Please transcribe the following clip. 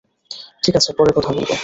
ঠিক আছে, পরে কথা বলব।